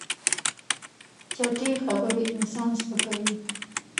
چټي خبرې انسان سپکوي.